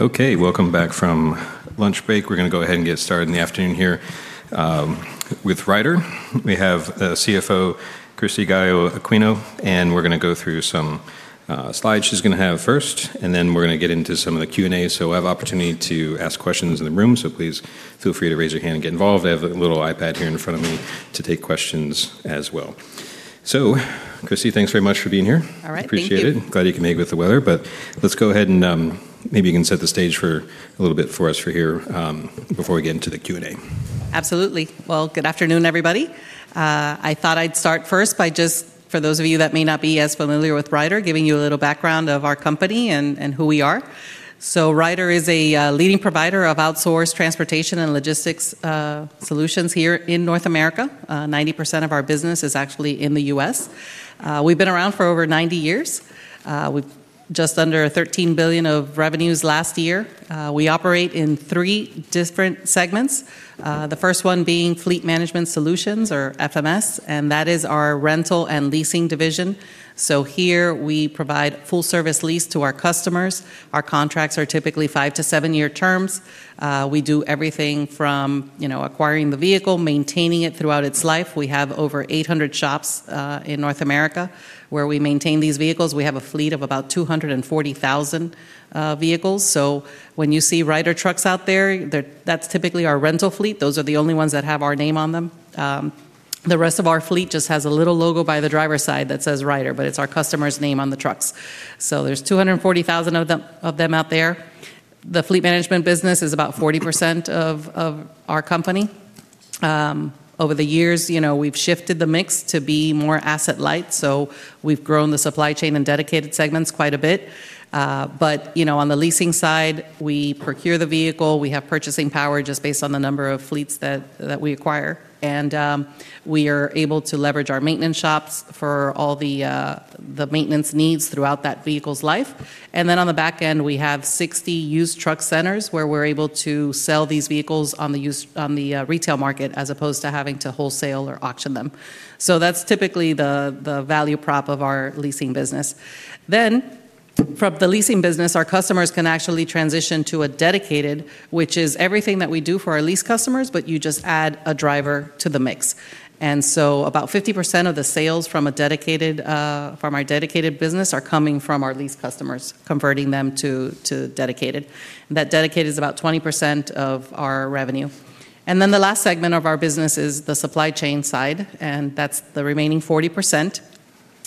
Okay, welcome back from lunch break. We're gonna go ahead and get started in the afternoon here with Ryder. We have the CFO, Cristy Gallo-Aquino, and we're gonna go through some slides she's gonna have first, and then we're gonna get into some of the Q&A. We'll have opportunity to ask questions in the room, so please feel free to raise your hand and get involved. I have a little iPad here in front of me to take questions as well. Cristy, thanks very much for being here. All right. Thank you. Appreciate it. Glad you can make it with the weather. Let's go ahead and maybe you can set the stage for a little bit for us for here before we get into the Q&A. Absolutely. Well, good afternoon, everybody. I thought I'd start first by just, for those of you that may not be as familiar with Ryder, giving you a little background of our company and who we are. Ryder is a leading provider of outsourced transportation and logistics solutions here in North America. 90% of our business is actually in the U.S. We've been around for over 90 years. We've just under $13 billion of revenues last year. We operate in three different segments. The first one being Fleet Management Solutions or FMS, and that is our rental and leasing division. Here we provide full service lease to our customers. Our contracts are typically five to seven-year terms. We do everything from, you know, acquiring the vehicle, maintaining it throughout its life. We have over 800 shops in North America where we maintain these vehicles. We have a fleet of about 240,000 vehicles. When you see Ryder trucks out there, that's typically our rental fleet. Those are the only ones that have our name on them. The rest of our fleet just has a little logo by the driver's side that says Ryder, but it's our customer's name on the trucks. There's 240,000 of them out there. The fleet management business is about 40% of our company. Over the years, you know, we've shifted the mix to be more asset light, so we've grown the Supply Chain and Dedicated segments quite a bit. You know, on the leasing side, we procure the vehicle, we have purchasing power just based on the number of fleets that we acquire. We are able to leverage our maintenance shops for all the maintenance needs throughout that vehicle's life. On the back end, we have 60 used truck centers where we're able to sell these vehicles on the retail market as opposed to having to wholesale or auction them. That's typically the value prop of our leasing business. From the leasing business, our customers can actually transition to a dedicated, which is everything that we do for our lease customers, but you just add a driver to the mix. About 50% of the sales from a dedicated, from our Dedicated business are coming from our lease customers, converting them to dedicated. That dedicated is about 20% of our revenue. The last segment of our business is the Supply Chain side, and that's the remaining 40%.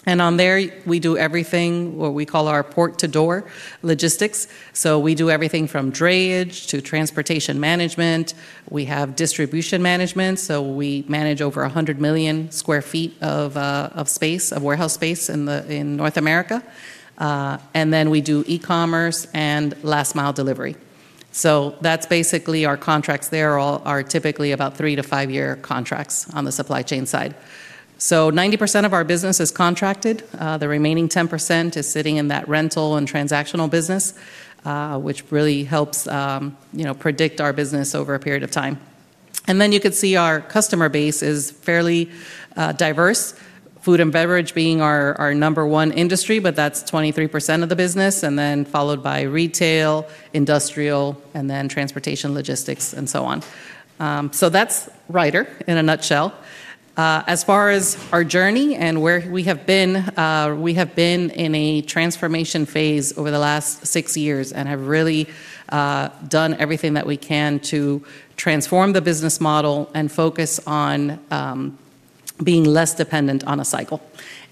On there we do everything, what we call our port to door logistics. We do everything from drayage to transportation management. We have distribution management, so we manage over 100 million sq ft of space, of warehouse space in North America. We do e-commerce and last mile delivery. That's basically our contracts there are typically about three to five-year contracts on the Supply Chain side. 90% of our business is contracted. The remaining 10% is sitting in that rental and transactional business, which really helps, you know, predict our business over a period of time. You could see our customer base is fairly diverse. Food and beverage being our number one industry, but that's 23% of the business, and then followed by retail, industrial, and then transportation, logistics, and so on. That's Ryder in a nutshell. As far as our journey and where we have been, we have been in a transformation phase over the last six years and have really done everything that we can to transform the business model and focus on being less dependent on a cycle.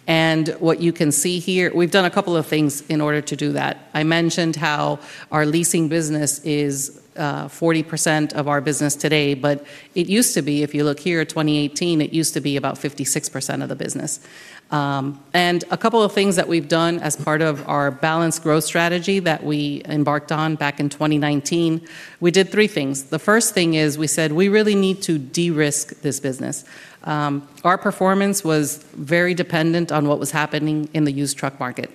What you can see here, we've done a couple of things in order to do that. I mentioned how our Leasing business is 40% of our business today, but it used to be, if you look here, 2018, it used to be about 56% of the business. A couple of things that we've done as part of our balanced growth strategy that we embarked on back in 2019, we did three things. The first thing is we said, we really need to de-risk this business. Our performance was very dependent on what was happening in the used truck market.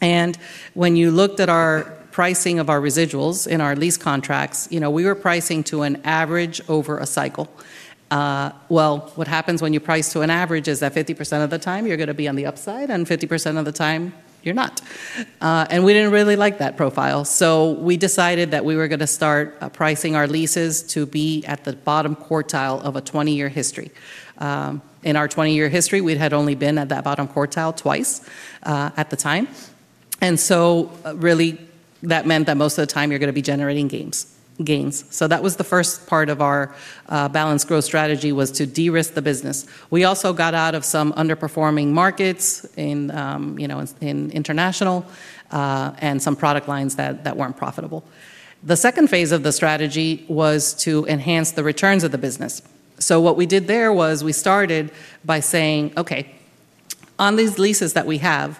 When you looked at our pricing of our residuals in our lease contracts, you know, we were pricing to an average over a cycle. Well, what happens when you price to an average is that 50% of the time you're gonna be on the upside and 50% of the time you're not. We didn't really like that profile. We decided that we were gonna start pricing our leases to be at the bottom quartile of a 20-year history. In our 20-year history, we had only been at that bottom quartile twice at the time. Really, that meant that most of the time you're gonna be generating gains. That was the first part of our balanced growth strategy was to de-risk the business. We also got out of some underperforming markets in, you know, international and some product lines that weren't profitable. The second phase of the strategy was to enhance the returns of the business. What we did there was we started by saying, "Okay, on these leases that we have,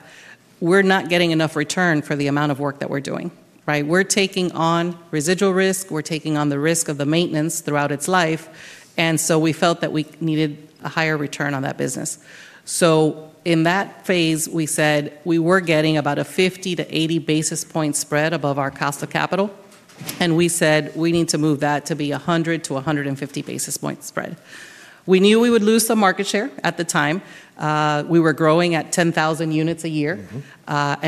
we're not getting enough return for the amount of work that we're doing," right? We're taking on residual risk, we're taking on the risk of the maintenance throughout its life, and so we felt that we needed a higher return on that business. In that phase, we said we were getting about a 50-80 basis point spread above our cost of capital. We said we need to move that to be a 100-150 basis point spread. We knew we would lose some market share at the time. We were growing at 10,000 units a year.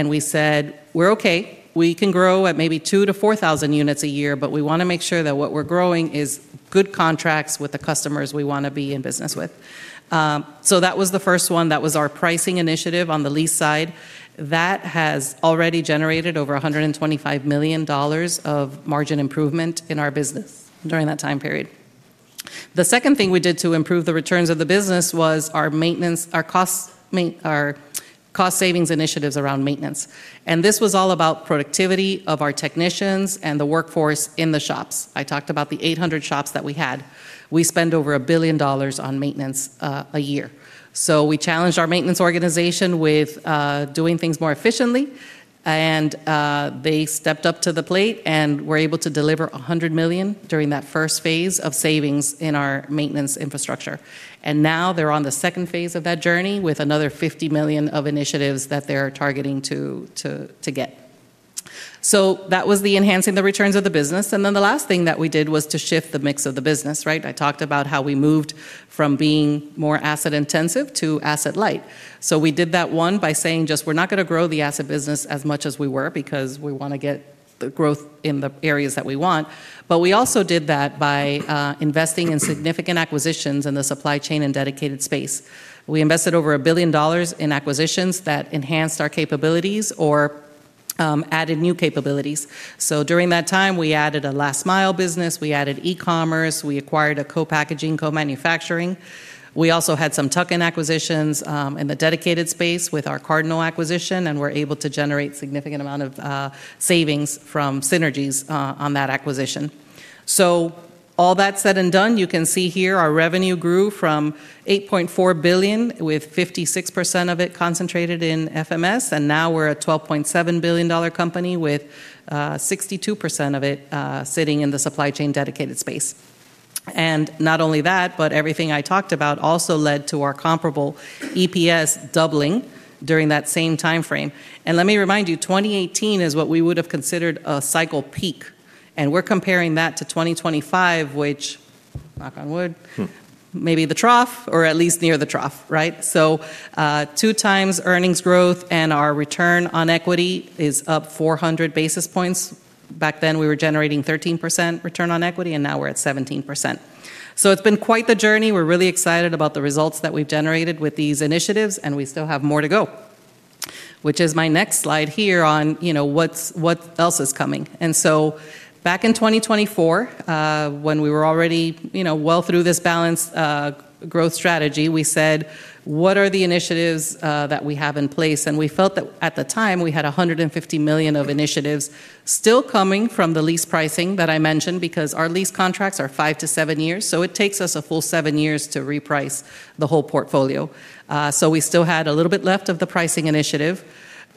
We said, "We're okay. We can grow at maybe 2000-4,000 units a year, but we wanna make sure that what we're growing is good contracts with the customers we wanna be in business with. That was the first one. That wa s our pricing initiative on the lease side. That has already generated over $125 million of margin improvement in our business during that time period. The second thing we did to improve the returns of the business was our cost savings initiatives around maintenance. This was all about productivity of our technicians and the workforce in the shops. I talked about the 800 shops that we had. We spend over $1 billion on maintenance a year. We challenged our maintenance organization with doing things more efficiently, and they stepped up to the plate and were able to deliver $100 million during that first phase of savings in our maintenance infrastructure. Now they're on the second phase of that journey with another $50 million of initiatives that they're targeting to get. That was the enhancing the returns of the business. Then the last thing that we did was to shift the mix of the business, right? I talked about how we moved from being more asset-intensive to asset-light. We did that, one, by saying just, "We're not gonna grow the asset business as much as we were because we wanna get the growth in the areas that we want." We also did that by investing in significant acquisitions in the supply chain and dedicated space. We invested over $1 billion in acquisitions that enhanced our capabilities or added new capabilities. During that time, we added a last mile business. We added e-commerce. We acquired a co-packaging, co-manufacturing. We also had some tuck-in acquisitions in the dedicated space with our Cardinal acquisition, and were able to generate significant amount of savings from synergies on that acquisition. All that said and done, you can see here our revenue grew from $8.4 billion, with 56% of it concentrated in FMS, and now we're a $12.7 billion company with 62% of it sitting in the supply chain dedicated space. Not only that, but everything I talked about also led to our comparable EPS doubling during that same timeframe. Let me remind you, 2018 is what we would have considered a cycle peak, and we're comparing that to 2025, which, knock on wood, maybe the trough or at least near the trough, right? Two times earnings growth, and our return on equity is up 400 basis points. Back then, we were generating 13% return on equity, and now we're at 17%. It's been quite the journey. We're really excited about the results that we've generated with these initiatives, and we still have more to go, which is my next slide here on, you know, what's, what else is coming. Back in 2024, when we were already, you know, well through this balanced growth strategy, we said, "What are the initiatives that we have in place?" We felt that at the time we had $150 million of initiatives still coming from the lease pricing that I mentioned, because our lease contracts are five to seven years, so it takes us a full seven years to reprice the whole portfolio. We still had a little bit left of the pricing initiative.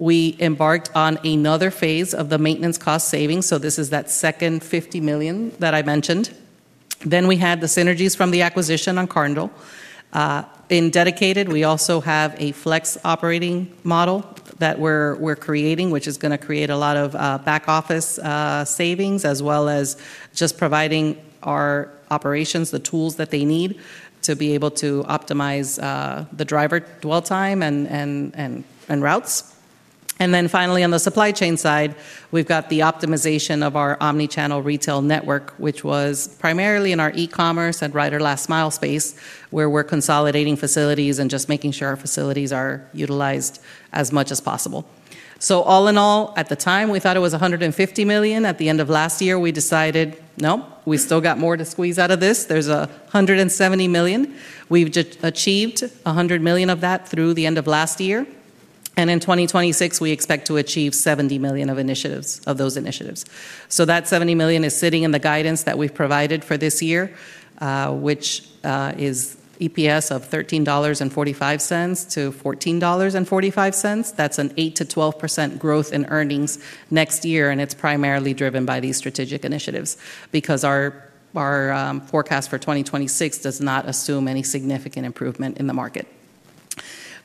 We embarked on another phase of the maintenance cost savings, so this is that second $50 million that I mentioned. We had the synergies from the acquisition of Cardinal. In dedicated, we also have a flex operating model that we're creating, which is gonna create a lot of back office savings, as well as just providing our operations the tools that they need to be able to optimize the driver dwell time and routes. Then finally, on the Supply Chain side, we've got the optimization of our omnichannel retail network, which was primarily in our e-commerce and Ryder Last Mile space, where we're consolidating facilities and just making sure our facilities are utilized as much as possible. All in all, at the time, we thought it was $150 million. At the end of last year, we decided, no, we still got more to squeeze out of this. There's $170 million. We've just achieved $100 million of that through the end of last year. In 2026, we expect to achieve $70 million of initiatives, of those initiatives. That $70 million is sitting in the guidance that we've provided for this year, which is EPS of $13.45-$14.45. That's an 8%-12% growth in earnings next year, and it's primarily driven by these strategic initiatives because our forecast for 2026 does not assume any significant improvement in the market.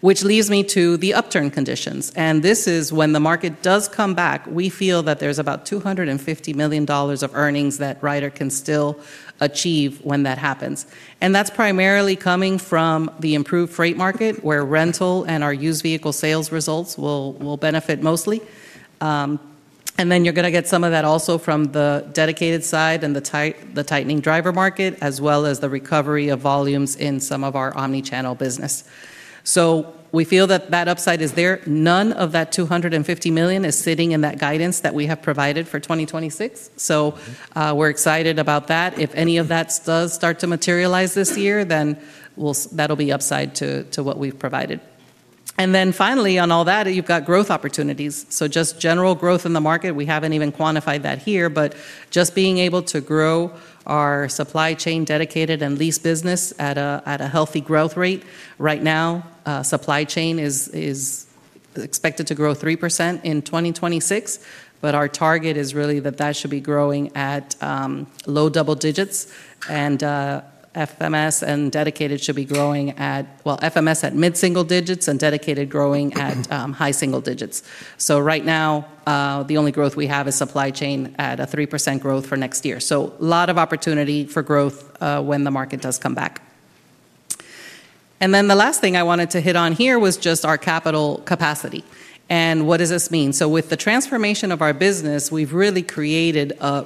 Which leads me to the upturn conditions, and this is when the market does come back. We feel that there's about $250 million of earnings that Ryder can still achieve when that happens. That's primarily coming from the improved freight market, where rental and our used vehicle sales results will benefit mostly. You're gonna get some of that also from the dedicated side and the tightening driver market, as well as the recovery of volumes in some of our omni-channel business. We feel that upside is there. None of that $250 million is sitting in that guidance that we have provided for 2026. We're excited about that. If any of that does start to materialize this year, then that'll be upside to what we've provided. Finally, on all that, you've got growth opportunities. Just general growth in the market. We haven't even quantified that here. Just being able to grow our Supply Chain, dedicated, and Lease business at a healthy growth rate. Right now, Supply Chain is expected to grow 3% in 2026, but our target is really that should be growing at low double digits. FMS and dedicated should be growing at, well, FMS at mid-single digits and dedicated growing at high single digits. Right now, the only growth we have is Supply Chain at a 3% growth for next year. A lot of opportunity for growth when the market does come back. Then the last thing I wanted to hit on here was just our capital capacity, and what does this mean? With the transformation of our business, we've really created a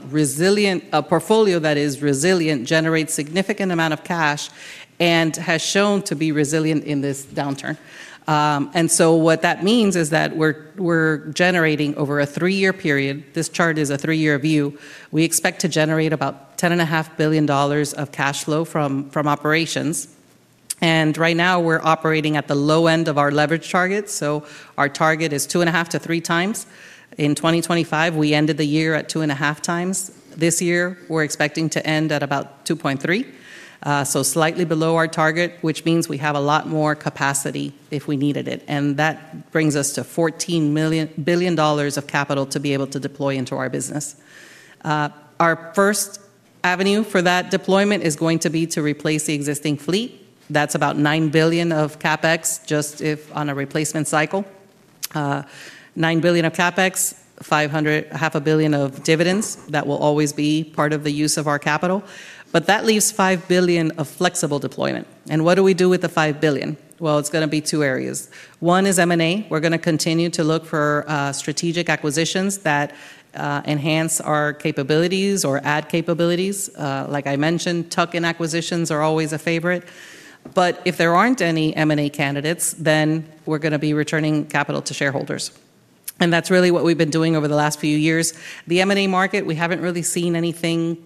portfolio that is resilient, generates significant amount of cash, and has shown to be resilient in this downturn. What that means is that we're generating over a three-year period. This chart is a three-year view. We expect to generate about $10.5 billion of cash flow from operations. Right now we're operating at the low end of our leverage target. Our target is 2.5x - 3x. In 2025, we ended the year at 2.5x. This year, we're expecting to end at about 2.3x, so slightly below our target, which means we have a lot more capacity if we needed it. That brings us to $14 billion of capital to be able to deploy into our business. Our first avenue for that deployment is going to be to replace the existing fleet. That's about $9 billion of CapEx just if on a replacement cycle. $9 billion of CapEx, half a billion of dividends. That will always be part of the use of our capital. That leaves $5 billion of flexible deployment. What do we do with the $5 billion? Well, it's gonna be two areas. One is M&A. We're gonna continue to look for strategic acquisitions that enhance our capabilities or add capabilities. Like I mentioned, tuck-in acquisitions are always a favorite. If there aren't any M&A candidates, then we're gonna be returning capital to shareholders. That's really what we've been doing over the last few years. The M&A market, we haven't really seen anything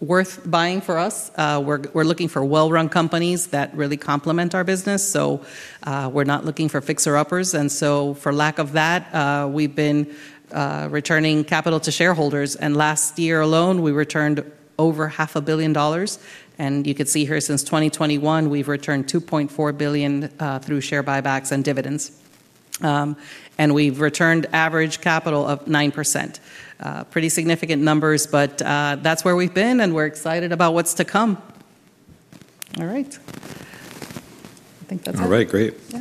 worth buying for us. We're looking for well-run companies that really complement our business. We're not looking for fixer-uppers. For lack of that, we've been returning capital to shareholders. Last year alone, we returned over half a billion dollars. You can see here since 2021, we've returned $2.4 billion through share buybacks and dividends. We've returned average capital of 9%. Pretty significant numbers, but that's where we've been, and we're excited about what's to come. All right. I think that's it. All right, great. Yeah.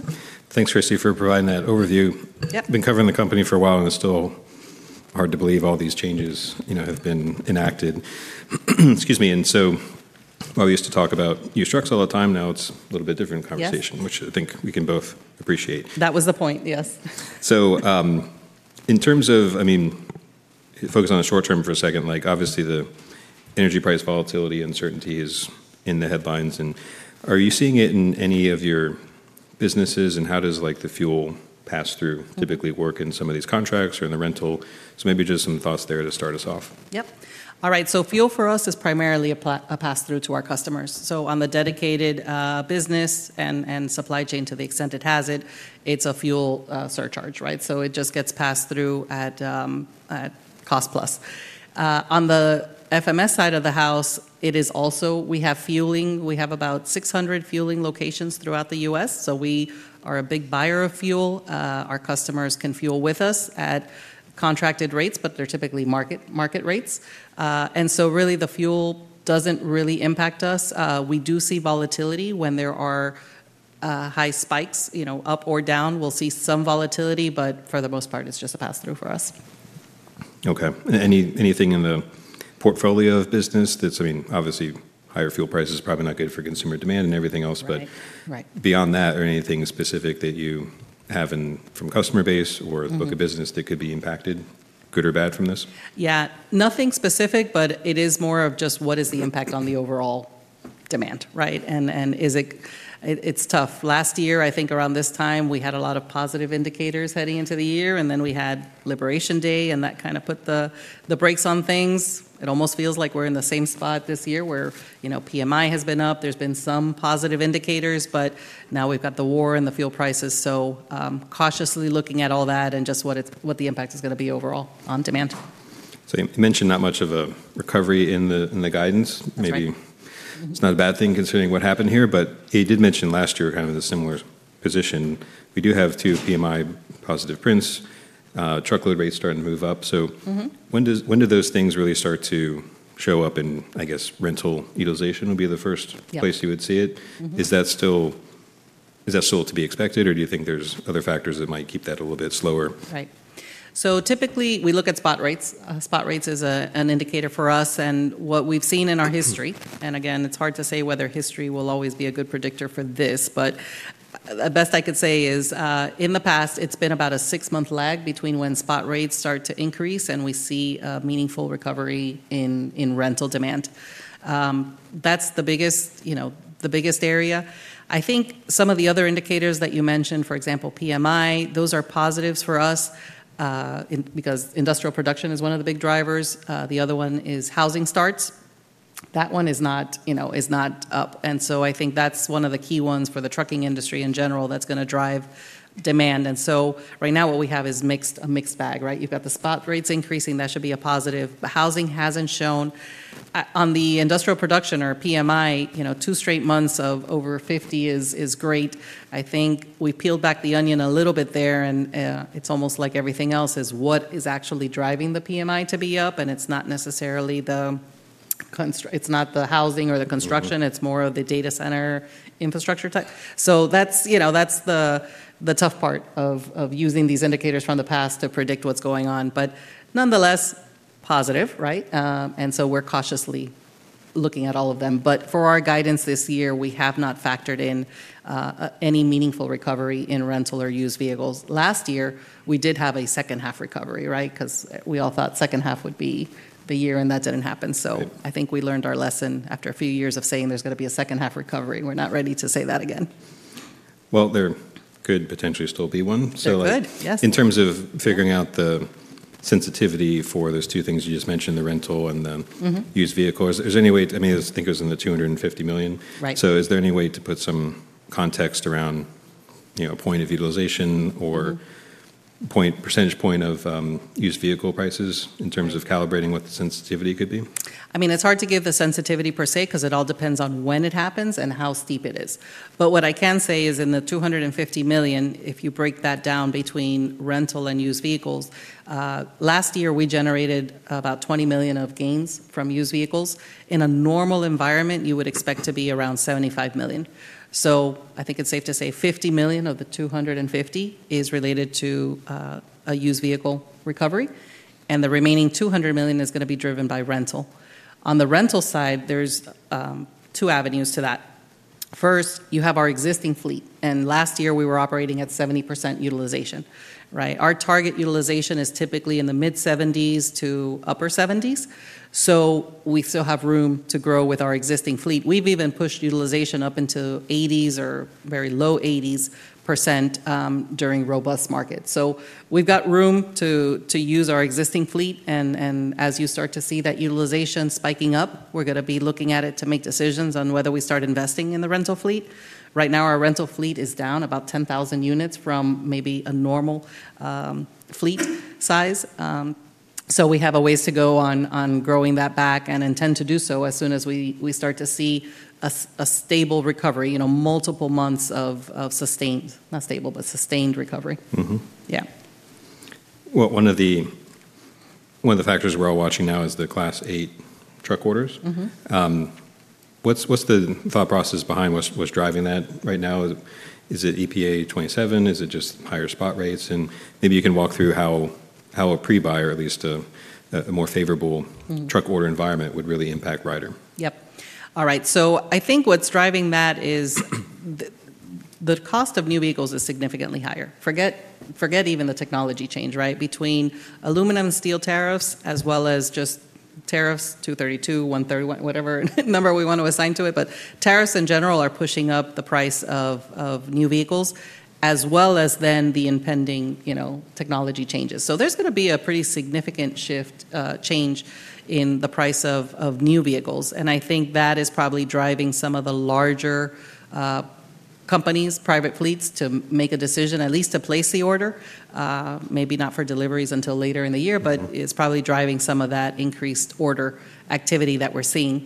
Thanks, Cristy, for providing that overview. Yep. Been covering the company for a while, and it's still hard to believe all these changes, you know, have been enacted. Excuse me. While we used to talk about used trucks all the time, now it's a little bit different conversation. Yes Which I think we can both appreciate. That was the point, yes. In terms of, I mean, focus on the short term for a second, like, obviously the energy price volatility uncertainty is in the headlines, and are you seeing it in any of your businesses? How does, like, the fuel pass-through typically work in some of these contracts or in the rental? Maybe just some thoughts there to start us off. Yep. All right, fuel for us is primarily a pass-through to our customers. On the Dedicated business and Supply Chain to the extent it has it's a fuel surcharge, right? It just gets passed through at cost plus. On the FMS side of the house, it is also, we have fueling, we have about 600 fueling locations throughout the U.S., so we are a big buyer of fuel. Our customers can fuel with us at contracted rates, but they're typically market rates. Really the fuel doesn't really impact us. We do see volatility when there are high spikes, you know, up or down, we'll see some volatility, but for the most part, it's just a pass-through for us. Okay. Anything in the portfolio of business that's, I mean, obviously higher fuel price is probably not good for consumer demand and everything else, but Right. Right Beyond that or anything specific that you have in, from customer base or book of business that could be impacted, good or bad from this? Yeah. Nothing specific, but it is more of just what is the impact on the overall demand, right? It's tough. Last year, I think around this time, we had a lot of positive indicators heading into the year, and then we had Liberation Day, and that kind of put the brakes on things. It almost feels like we're in the same spot this year where, you know, PMI has been up. There's been some positive indicators, but now we've got the war and the fuel prices. Cautiously looking at all that and just what the impact is gonna be overall on demand. You mentioned not much of a recovery in the guidance. That's right. Maybe it's not a bad thing considering what happened here, but you did mention last year kind of in a similar position. We do have two PMI positive prints, truckload rates starting to move up. Mm-hmm when do those things really start to show up in, I guess, rental utilization would be the first? Yeah place you would see it? Mm-hmm. Is that still to be expected, or do you think there's other factors that might keep that a little bit slower? Right. Typically, we look at spot rates. Spot rates is an indicator for us and what we've seen in our history. Again, it's hard to say whether history will always be a good predictor for this. The best I could say is, in the past, it's been about a six-month lag between when spot rates start to increase and we see a meaningful recovery in rental demand. That's the biggest, you know, the biggest area. I think some of the other indicators that you mentioned, for example, PMI, those are positives for us, because industrial production is one of the big drivers. The other one is housing starts. That one is not, you know, is not up. I think that's one of the key ones for the trucking industry in general that's gonna drive demand. Right now what we have is mixed, a mixed bag, right? You've got the spot rates increasing. That should be a positive. Housing hasn't shown. On the industrial production or PMI, you know, two straight months of over 50% is great. I think we peeled back the onion a little bit there, and it's almost like everything else is what is actually driving the PMI to be up, and it's not necessarily the housing or the construction. It's more of the data center infrastructure type. That's, you know, the tough part of using these indicators from the past to predict what's going on. Nonetheless, positive, right? We're cautiously looking at all of them. For our guidance this year, we have not factored in any meaningful recovery in rental or used vehicles. Last year, we did have a second half recovery, right? 'Cause we all thought second half would be the year, and that didn't happen. Okay. I think we learned our lesson after a few years of saying there's gonna be a second half recovery. We're not ready to say that again. Well, there could potentially still be one. There could, yes. Like, in terms of figuring out the sensitivity for those two things you just mentioned, the rental and the- Mm-hmm used vehicles. Is there any way, I mean, I think it was in the $250 million. Right. Is there any way to put some context around, you know, point of utilization or percentage point of used vehicle prices in terms of calibrating what the sensitivity could be? I mean, it's hard to give the sensitivity per se because it all depends on when it happens and how steep it is. What I can say is in the $250 million, if you break that down between rental and used vehicles, last year we generated about $20 million of gains from used vehicles. In a normal environment, you would expect to be around $75 million. I think it's safe to say $50 million of the $250 million is related to a used vehicle recovery, and the remaining $200 million is gonna be driven by rental. On the rental side, there's two avenues to that. First, you have our existing fleet, and last year we were operating at 70% utilization, right? Our target utilization is typically in the mid-70s% to upper 70s%, so we still have room to grow with our existing fleet. We've even pushed utilization up into 80s% or very low 80s%, during robust markets. We've got room to use our existing fleet, and as you start to see that utilization spiking up, we're gonna be looking at it to make decisions on whether we start investing in the rental fleet. Right now, our rental fleet is down about 10,000 units from maybe a normal fleet size. We have a ways to go on growing that back and intend to do so as soon as we start to see a stable recovery, you know, multiple months of sustained, not stable, but sustained recovery. Mm-hmm. Yeah. Well, one of the factors we're all watching now is the Class 8 truck orders. Mm-hmm. What's the thought process behind what's driving that right now? Is it EPA 2027? Is it just higher spot rates? Maybe you can walk through how a pre-buyer, at least a more favorable- Mm truck order environment would really impact Ryder. Yep. All right. I think what's driving that is the cost of new vehicles is significantly higher. Forget even the technology change, right? Between aluminum and steel tariffs, as well as just tariffs, Section 232, Section 301, whatever number we want to assign to it. Tariffs in general are pushing up the price of new vehicles as well as then the impending, you know, technology changes. There's gonna be a pretty significant shift, change in the price of new vehicles, and I think that is probably driving some of the larger companies, private fleets, to make a decision at least to place the order. Maybe not for deliveries until later in the year. Mm-hmm. It's probably driving some of that increased order activity that we're seeing.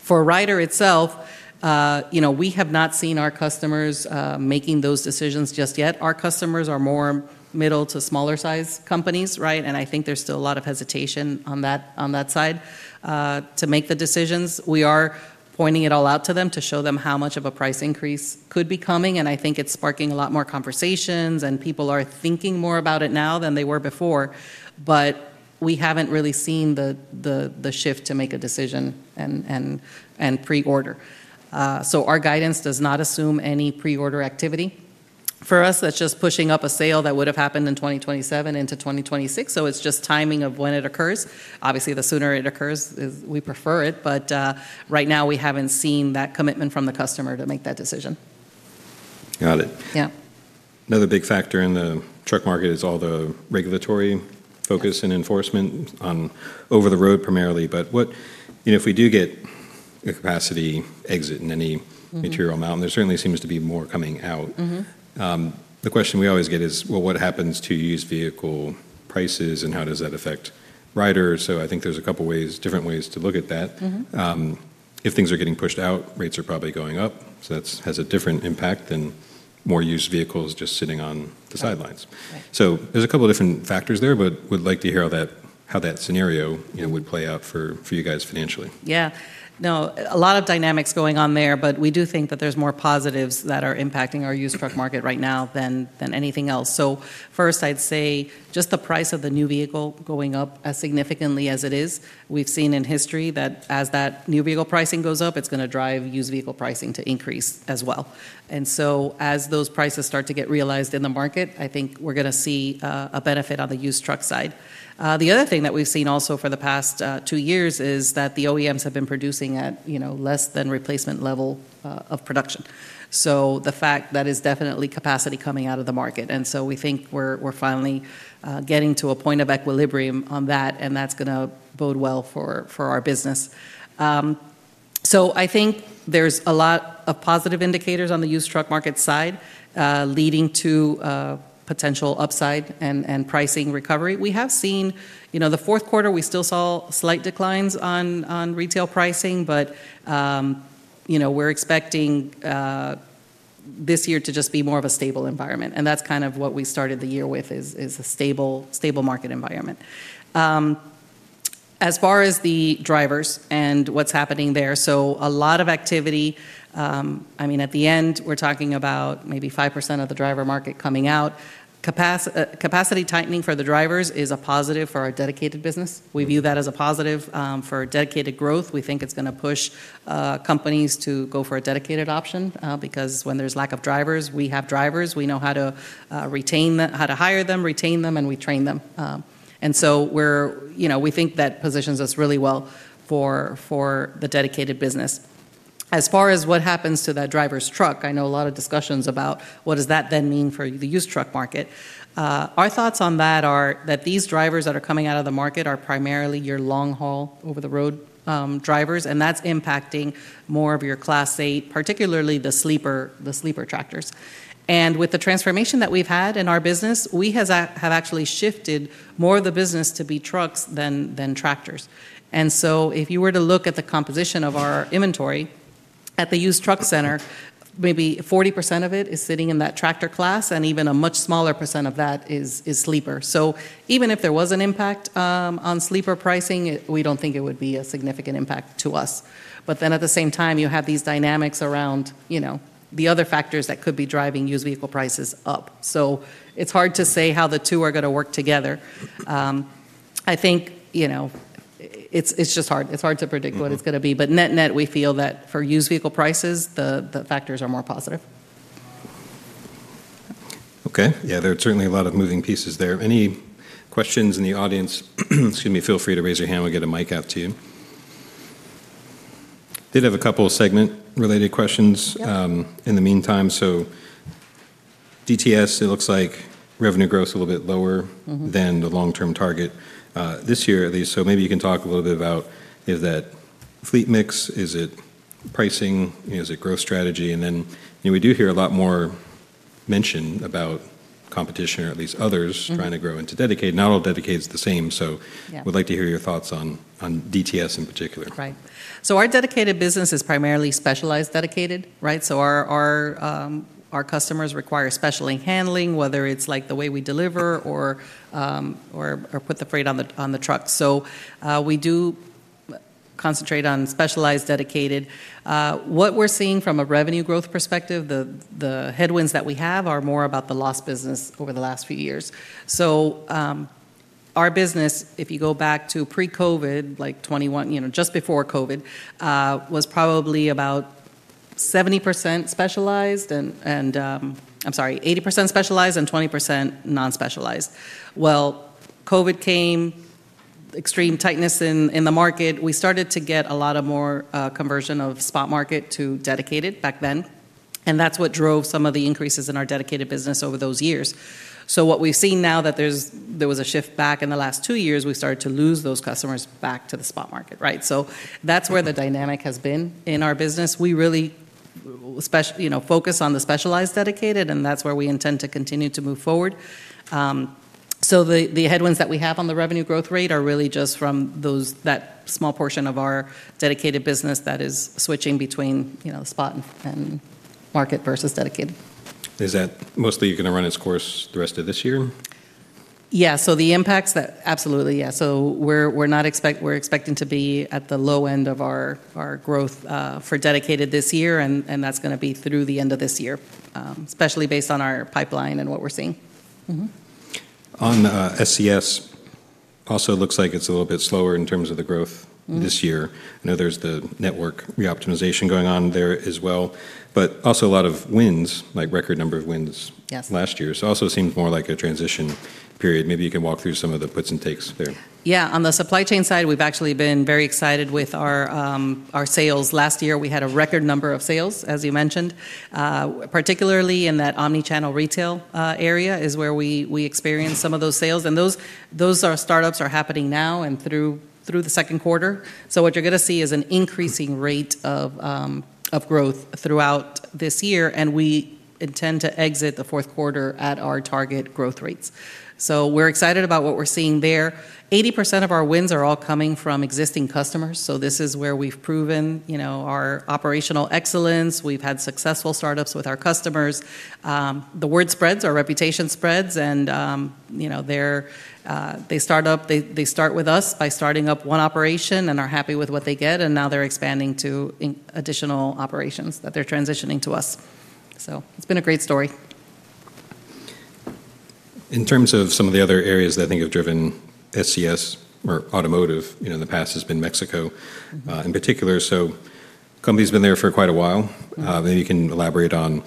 For Ryder itself, you know, we have not seen our customers making those decisions just yet. Our customers are more middle to smaller size companies, right? I think there's still a lot of hesitation on that, on that side, to make the decisions. We are pointing it all out to them to show them how much of a price increase could be coming, and I think it's sparking a lot more conversations, and people are thinking more about it now than they were before. We haven't really seen the shift to make a decision and pre-order. Our guidance does not assume any pre-order activity. For us, that's just pushing up a sale that would've happened in 2027 into 2026, so it's just timing of when it occurs. Obviously, the sooner it occurs, we prefer it. Right now we haven't seen that commitment from the customer to make that decision. Got it. Yeah. Another big factor in the truck market is all the regulatory focus. Yeah and enforcement on over-the-road primarily. You know, if we do get a capacity exit in any- Mm-hmm material amount, and there certainly seems to be more coming out. Mm-hmm. The question we always get is, well, what happens to used vehicle prices, and how does that affect Ryder? I think there's a couple ways, different ways to look at that. Mm-hmm. If things are getting pushed out, rates are probably going up, so that has a different impact than more used vehicles just sitting on the sidelines. Right. There's a couple different factors there, but we'd like to hear how that scenario- Yeah you know, would play out for you guys financially. Yeah. No, a lot of dynamics going on there, but we do think that there's more positives that are impacting our used truck market right now than anything else. First, I'd say just the price of the new vehicle going up as significantly as it is. We've seen in history that as that new vehicle pricing goes up, it's gonna drive used vehicle pricing to increase as well. As those prices start to get realized in the market, I think we're gonna see a benefit on the used truck side. The other thing that we've seen also for the past two years is that the OEMs have been producing at, you know, less than replacement level of production. The fact that is definitely capacity coming out of the market. We think we're finally getting to a point of equilibrium on that, and that's gonna bode well for our business. I think there's a lot of positive indicators on the used truck market side, leading to potential upside and pricing recovery. We have seen, you know, the fourth quarter, we still saw slight declines on retail pricing, but, you know, we're expecting this year to just be more of a stable environment, and that's kind of what we started the year with is a stable market environment. As far as the drivers and what's happening there, a lot of activity. I mean, at the end, we're talking about maybe 5% of the driver market coming out. Capacity tightening for the drivers is a positive for our Dedicated business. We view that as a positive for dedicated growth. We think it's gonna push companies to go for a dedicated option because when there's lack of drivers, we have drivers. We know how to retain them, how to hire them, retain them, and we train them. You know, we think that positions us really well for the Dedicated business. As far as what happens to that driver's truck, I know a lot of discussions about what does that then mean for the used truck market. Our thoughts on that are that these drivers that are coming out of the market are primarily your long-haul, over-the-road drivers, and that's impacting more of your Class 8, particularly the sleeper tractors. With the transformation that we've had in our business, we have actually shifted more of the business to be trucks than tractors. If you were to look at the composition of our inventory at the used truck center, maybe 40% of it is sitting in that tractor class, and even a much smaller percent of that is sleeper. Even if there was an impact on sleeper pricing, we don't think it would be a significant impact to us. At the same time, you have these dynamics around, you know, the other factors that could be driving used vehicle prices up. It's hard to say how the two are gonna work together. I think, you know, it's just hard. It's hard to predict. Mm-hmm What it's gonna be. Net-net, we feel that for used vehicle prices, the factors are more positive. Okay. Yeah, there are certainly a lot of moving pieces there. Any questions in the audience? Excuse me, feel free to raise your hand. We'll get a mic out to you. Did have a couple of segment-related questions. Yep In the meantime. DTS, it looks like revenue growth's a little bit lower. Mm-hmm than the long-term target, this year at least. Maybe you can talk a little bit about is that fleet mix? Is it pricing? You know, is it growth strategy? Then, you know, we do hear a lot more mention about competition or at least others. Mm-hmm Trying to grow into dedicated. Not all dedicated's the same, so Yeah Would like to hear your thoughts on DTS in particular. Right. Our Dedicated business is primarily specialized dedicated, right? Our customers require specialty handling, whether it's, like, the way we deliver or put the freight on the truck. We do concentrate on specialized dedicated. What we're seeing from a revenue growth perspective, the headwinds that we have are more about the lost business over the last few years. Our business, if you go back to pre-COVID, like 2021, you know, just before COVID, was probably about 70% specialized and I'm sorry, 80% specialized and 20% non-specialized. Well, COVID came, extreme tightness in the market. We started to get a lot more conversion of spot market to dedicated back then, and that's what drove some of the increases in our Dedicated business over those years. What we've seen now that there was a shift back in the last two years, we started to lose those customers back to the spot market, right? That's where the dynamic has been in our business. We really, you know, focus on the specialized dedicated, and that's where we intend to continue to move forward. The headwinds that we have on the revenue growth rate are really just from that small portion of our Dedicated business that is switching between, you know, spot and market versus dedicated. Is that mostly gonna run its course the rest of this year? Absolutely, yeah. We're expecting to be at the low end of our growth for dedicated this year, and that's gonna be through the end of this year, especially based on our pipeline and what we're seeing. Mm-hmm. On SCS, also looks like it's a little bit slower in terms of the growth. Mm This year. I know there's the network re-optimization going on there as well, but also a lot of wins, like record number of wins- Yes ...last year. Also seems more like a transition period. Maybe you can walk through some of the puts and takes there. Yeah. On the Supply Chain side, we've actually been very excited with our sales. Last year, we had a record number of sales, as you mentioned. Particularly in that omni-channel retail area is where we experienced some of those sales, and those startups are happening now and through the second quarter. What you're gonna see is an increasing rate of growth throughout this year, and we intend to exit the fourth quarter at our target growth rates. We're excited about what we're seeing there. 80% of our wins are all coming from existing customers, so this is where we've proven, you know, our operational excellence. We've had successful startups with our customers. The word spreads, our reputation spreads, and, you know, they start with us by starting up one operation and are happy with what they get, and now they're expanding to additional operations that they're transitioning to us. It's been a great story. In terms of some of the other areas that I think have driven SCS or automotive, you know, in the past has been Mexico. Mm-hmm In particular. Company's been there for quite a while. Mm-hmm. Maybe you can elaborate on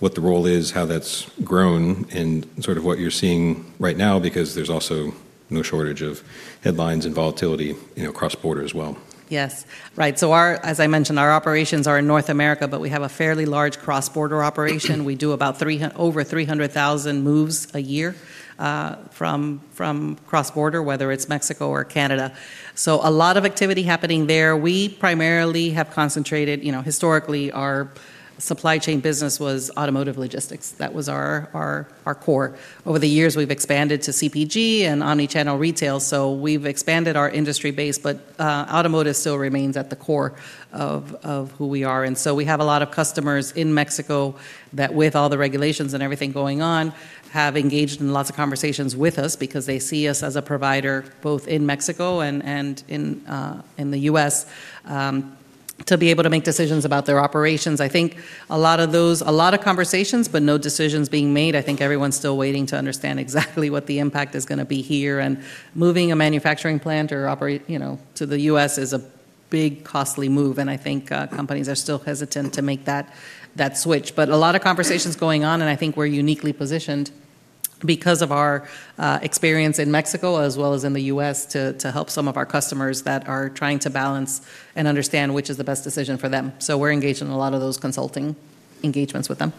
what the role is, how that's grown, and sort of what you're seeing right now, because there's also no shortage of headlines and volatility, you know, cross-border as well. Yes. Right. As I mentioned, our operations are in North America, but we have a fairly large cross-border operation. We do over 300,000 moves a year from cross-border, whether it's Mexico or Canada. A lot of activity happening there. We primarily have concentrated, you know, historically, our supply chain business was automotive logistics. That was our core. Over the years, we've expanded to CPG and omni-channel retail, so we've expanded our industry base. Automotive still remains at the core of who we are. We have a lot of customers in Mexico that, with all the regulations and everything going on, have engaged in lots of conversations with us because they see us as a provider both in Mexico and in the U.S. To be able to make decisions about their operations. I think a lot of those conversations, but no decisions being made. I think everyone's still waiting to understand exactly what the impact is gonna be here, and moving a manufacturing plant or operate, you know, to the U.S. is a big, costly move, and I think companies are still hesitant to make that switch. But a lot of conversations going on, and I think we're uniquely positioned because of our experience in Mexico as well as in the U.S. to help some of our customers that are trying to balance and understand which is the best decision for them. We're engaged in a lot of those consulting engagements with them.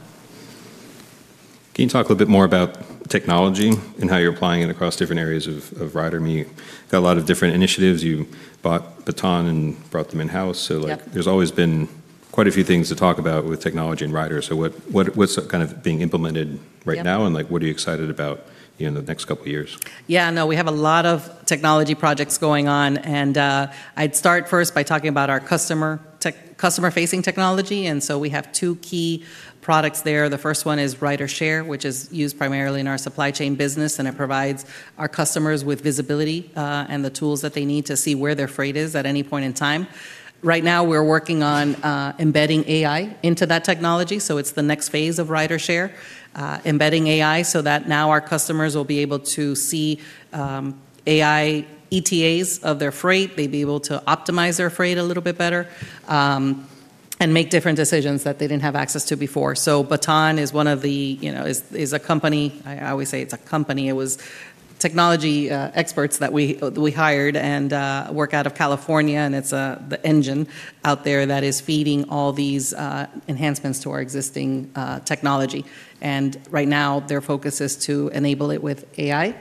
Can you talk a little bit more about technology and how you're applying it across different areas of Ryder? I mean, you got a lot of different initiatives. You bought Baton and brought them in-house. Yep. Like, there's always been quite a few things to talk about with technology and Ryder. What's kind of being implemented right now? Yep. Like, what are you excited about in the next couple years? Yeah, no, we have a lot of technology projects going on, and I'd start first by talking about our customer-facing technology. We have two key products there. The first one is RyderShare, which is used primarily in our supply chain business, and it provides our customers with visibility and the tools that they need to see where their freight is at any point in time. Right now, we're working on embedding AI into that technology. It's the next phase of RyderShare, embedding AI so that now our customers will be able to see AI ETAs of their freight. They'd be able to optimize their freight a little bit better and make different decisions that they didn't have access to before. Baton is one of the, you know, is a company. I always say it's a company. It was technology experts that we hired and work out of California, and it's the engine out there that is feeding all these enhancements to our existing technology. Right now, their focus is to enable it with AI.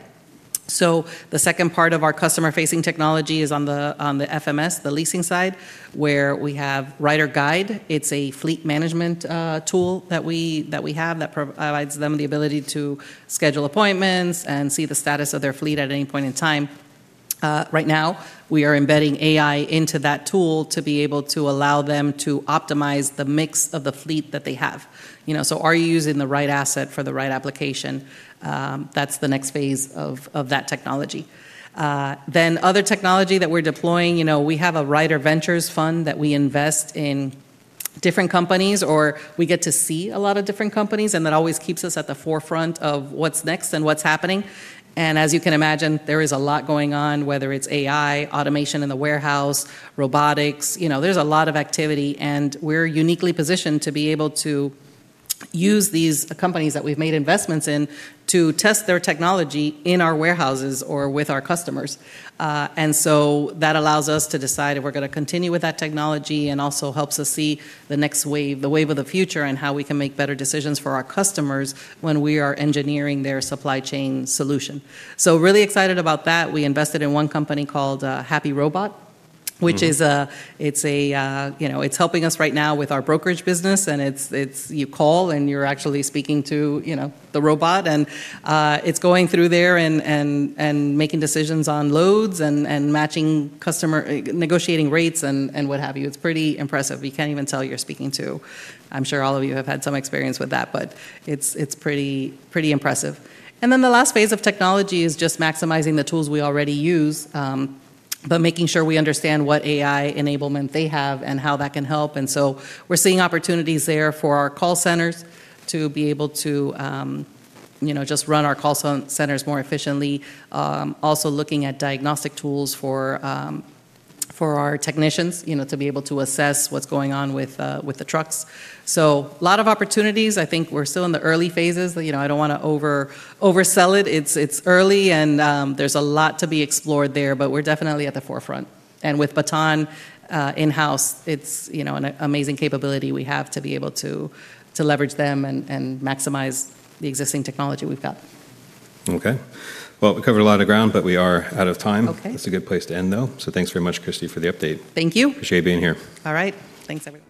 The second part of our customer-facing technology is on the FMS, the leasing side, where we have RyderGyde. It's a fleet management tool that we have that provides them the ability to schedule appointments and see the status of their fleet at any point in time. Right now, we are embedding AI into that tool to be able to allow them to optimize the mix of the fleet that they have. You know, so are you using the right asset for the right application? That's the next phase of that technology. Other technology that we're deploying, you know, we have a RyderVentures fund that we invest in different companies, or we get to see a lot of different companies, and that always keeps us at the forefront of what's next and what's happening. As you can imagine, there is a lot going on, whether it's AI, automation in the warehouse, robotics. You know, there's a lot of activity, and we're uniquely positioned to be able to use these companies that we've made investments in to test their technology in our warehouses or with our customers. That allows us to decide if we're gonna continue with that technology and also helps us see the next wave, the wave of the future, and how we can make better decisions for our customers when we are engineering their Supply Chain Solution. Really excited about that. We invested in one company called HappyRobot. Mm-hmm. It's helping us right now with our brokerage business, and you call, and you're actually speaking to, you know, the robot. It's going through there and making decisions on loads and matching customers, negotiating rates and what have you. It's pretty impressive. You can't even tell you're speaking to the robot. I'm sure all of you have had some experience with that, but it's pretty impressive. The last phase of technology is just maximizing the tools we already use, but making sure we understand what AI enablement they have and how that can help. We're seeing opportunities there for our call centers to be able to, you know, just run our call centers more efficiently. Also looking at diagnostic tools for our technicians, you know, to be able to assess what's going on with the trucks. A lot of opportunities. I think we're still in the early phases. You know, I don't wanna oversell it. It's early, and there's a lot to be explored there, but we're definitely at the forefront. With Baton in-house, it's, you know, an amazing capability we have to be able to leverage them and maximize the existing technology we've got. Okay. Well, we covered a lot of ground, but we are out of time. Okay. That's a good place to end, though. Thanks very much, Cristy, for the update. Thank you. Appreciate you being here. All right. Thanks, everyone.